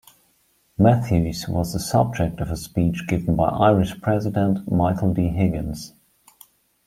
Matthews, was the subject of a speech given by Irish President Michael D. Higgins.